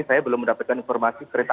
saya belum mendapatkan informasi kereta